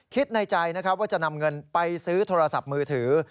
คิดในใจนะครับว่าจะนำเงินไปซื้อโทรศัพท์มือถือ